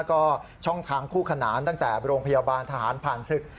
ก็ช่องทางคู่ขนานตั้งแต่โรงพยาบาลทหารผ่านศึก